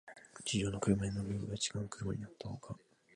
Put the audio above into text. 地上の車に乗るよりは、地下の車に乗ったほうが、